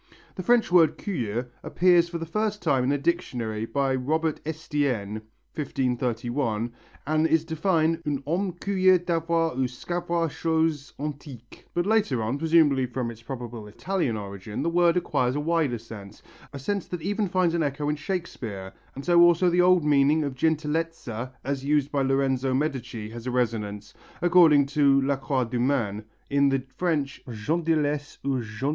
The French word curieux appears for the first time in a dictionary by Robert Estienne (1531) and is defined ung homme curieux d'avoir ou sçavoir choses antiques but later on, presumably from its probable Italian origin, the word acquires a wider sense, a sense that even finds an echo in Shakespeare, and so also the old meaning of gentilezza as used by Lorenzo Medici has a resonance, according to Lacroix du Maine, in the French gentillesses ou gentilles curiositez.